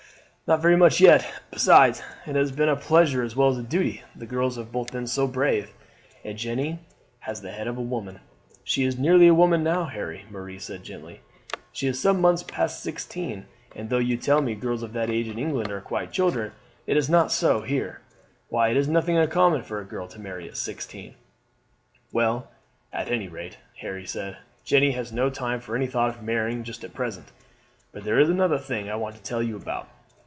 "Not very much yet; besides, it has been a pleasure as well as a duty. The girls have both been so brave, and Jeanne has the head of a woman." "She is nearly a woman now, Harry," Marie said gently. "She is some months past sixteen, and though you tell me girls of that age in England are quite children, it is not so here. Why, it is nothing uncommon for a girl to marry at sixteen." "Well, at anyrate," Harry said, "Jeanne has no time for any thought of marrying just at present. But there is another thing I want to tell you about.